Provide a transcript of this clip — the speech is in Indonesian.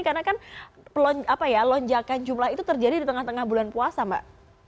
karena kan lonjakan jumlah itu terjadi di tengah tengah bulan puasa mbak